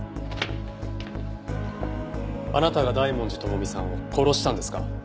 あなたが大文字智美さんを殺したんですか？